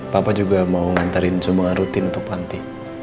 papa juga mau ngantarin semua rutin untuk panti